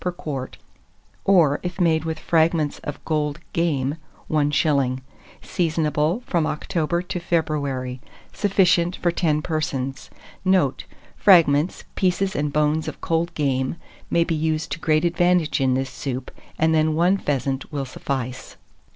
per quart, or, if made with fragments of gold game, 1s. Seasonable from October to February. Sufficient for 10 persons. Note. Fragments, pieces and bones of cold game, may be used to great advantage in this soup, and then 1 pheasant will suffice.